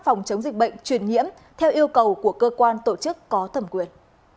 phòng chống dịch bệnh truyền nhiễm theo yêu cầu của cơ quan tổ chức có thẩm quyền